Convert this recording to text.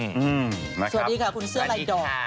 สวัสดีค่ะคุณเสื้อลายดอก